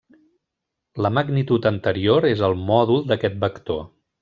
La magnitud anterior és el mòdul d'aquest vector.